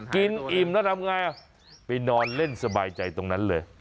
อิ่มแล้วทำไงไปนอนเล่นสบายใจตรงนั้นเลย